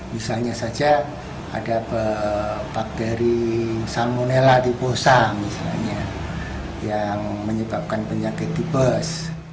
misalnya saja ada bakteri salmonella diposa misalnya yang menyebabkan penyakit tibus